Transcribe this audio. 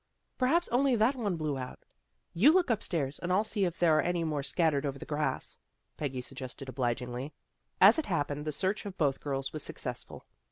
" Perhaps only that one blew out. You look upstairs, and I'll see if there are any more scattered over the grass," Peggy suggested obligingly. As it happened, the search of both girls was successful.